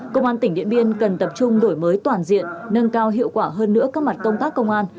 công an tỉnh điện biên cần tập trung đổi mới toàn diện nâng cao hiệu quả hơn nữa các mặt công tác công an